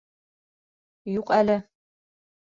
Юҡ әле...